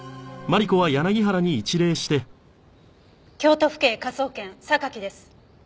京都府警科捜研榊です。